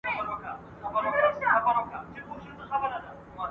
د ټولني د پرمختګ لپاره دقیق معلومات مهم دي.